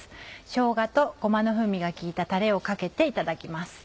しょうがとごまの風味が効いたタレをかけていただきます。